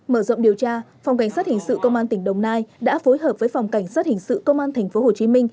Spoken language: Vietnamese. mở rộng điều tra phòng cảnh sát hình sự công an tỉnh đồng nai đã phối hợp với phòng cảnh sát hình sự công an tp hcm